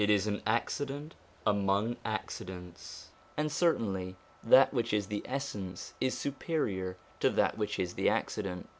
330 SOME ANSWERED QUESTIONS an accident among accidents, and certainly that which is the essence is superior to that which is the accident.